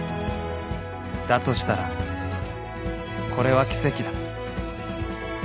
［だとしたらこれは奇跡だ］